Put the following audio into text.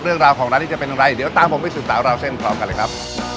เรื่องราวของร้านนี้จะเป็นอะไรเดี๋ยวตามผมไปสืบสาวราวเส้นพร้อมกันเลยครับ